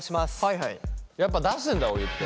やっぱ出すんだお湯って。